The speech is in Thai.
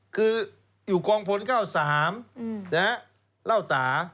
คืออยู่กองพล๙๓เหล้าตา